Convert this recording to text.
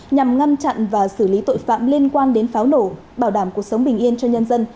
nhằm ngăn chặn và xử lý tội phạm liên quan đến pháo nổ bảo đảm cuộc sống bình yên cho nhân dân